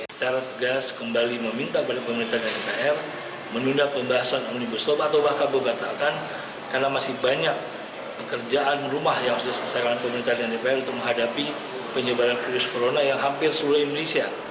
secara tegas kembali meminta kepada pemerintah dan dpr menunda pembahasan omnibus law atau bahkan membatalkan karena masih banyak pekerjaan rumah yang harus diselesaikan pemerintah dan dpr untuk menghadapi penyebaran virus corona yang hampir seluruh indonesia